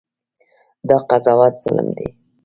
دا قضاوت ظلم دی.